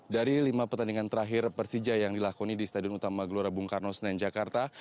dari lima pertandingan terakhir persija yang dilakoni di stadion utama gelora bung karno senen jakarta